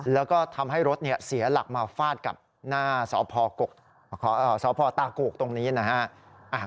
แล้วก็ทำให้รถเสียหลักมาฟาดกับหน้าสพตาโกกตรงนี้นะฮะ